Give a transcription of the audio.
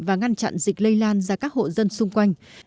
và ngăn chặn dịch lây lan ra các hộ dân xung quanh